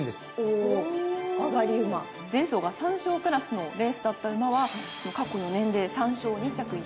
前走が３勝クラスのレースだった馬は過去４年で３勝２着１回。